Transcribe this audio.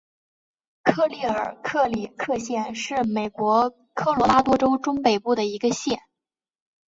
克利尔克里克县是美国科罗拉多州中北部的一个县。